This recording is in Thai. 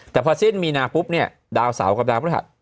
แต่พอสิ้นมีนาปุ๊บเนี่ยดาวเสาร์กับดาวพฤหัส